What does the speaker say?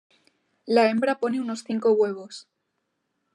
La hembra pone unos cinco huevos.